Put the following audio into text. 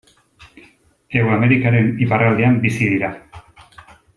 Hego Amerikaren iparraldean bizi dira.